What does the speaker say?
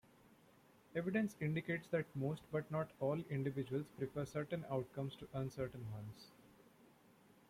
Evidence indicates that most, but not all, individuals prefer certain outcomes to uncertain ones.